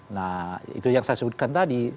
nah itu yang saya sebutkan tadi